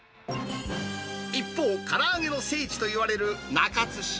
一方、から揚げの聖地といわれる中津市。